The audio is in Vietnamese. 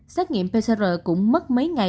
xét nghiệm pcr cũng mất mấy ngày